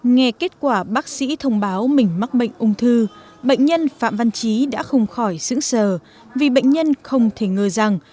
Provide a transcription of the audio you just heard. nghe kết quả bác sĩ thông báo mình mắc bệnh ung thư bệnh nhân phạm văn trí đã không khỏi sững sờ vì bệnh nhân không thể ngờ rằng